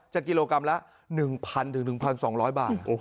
กิโลกรัมละ๑๐๐๑๒๐๐บาท